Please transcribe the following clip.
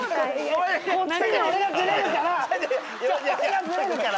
お前こっちに俺がズレるから。